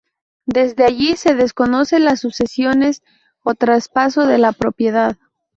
Desde allí, se desconoce las sucesiones o traspaso de la propiedad.